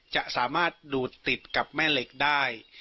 จะสามารถดูดติดกับแม่เหล็กได้